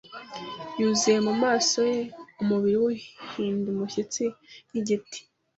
yuzuye mu maso ye, umubiri we uhinda umushyitsi nk'igiti